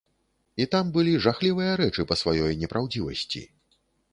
І там былі жахлівыя рэчы па сваёй непраўдзівасці.